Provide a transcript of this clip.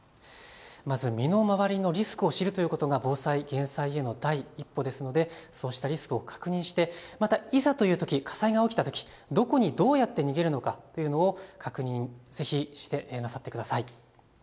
まず身の回りのリスクを知るということが防災、減災への第一歩ですのでそうしたリスクを確認してまた、いざというとき、火災が起きたとき、どこにどうやって逃げるのかというのを確認、ぜひなさってください。